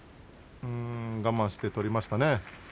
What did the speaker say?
我慢して取りましたね。